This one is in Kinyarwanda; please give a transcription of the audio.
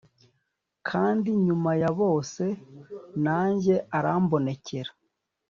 kandi nyuma ya bose nanjye arambonekera